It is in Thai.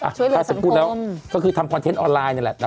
ช่วยเรือสังคมก็คือทำคอนเทนต์ออนไลน์นี่แหละ